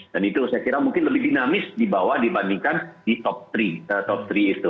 dan itu saya kira mungkin lebih dinamis di bawah dibandingkan di top tiga